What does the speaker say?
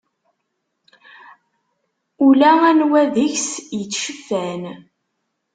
Ula anwa deg-s ittceffan.